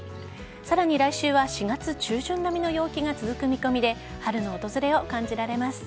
さらに来週は４月中旬並みの陽気が続く見込みで春の訪れを感じられます。